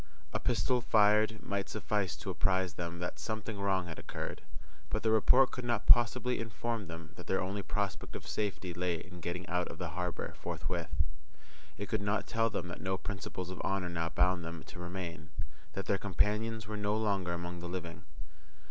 A pistol fired might suffice to apprise them that something wrong had occurred; but the report could not possibly inform them that their only prospect of safety lay in getting out of the harbour forthwith—it could not tell them that no principles of honour now bound them to remain, that their companions were no longer among the living.